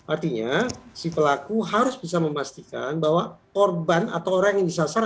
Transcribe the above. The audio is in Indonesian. artinya si pelaku harus bisa memastikan bahwa korban atau orang yang disasar